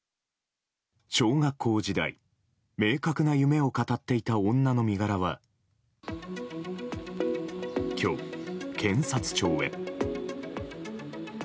小学校時代明確な夢を語っていた女の身柄は今日、検察庁へ。